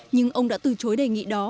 nhưng ông đã từ chối đề nghị đó